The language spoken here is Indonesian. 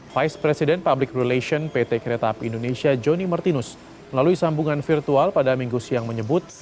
vice president public relation pt kereta api indonesia joni martinus melalui sambungan virtual pada minggu siang menyebut